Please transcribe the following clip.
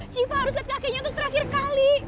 siva harus liat kakenya untuk terakhir kali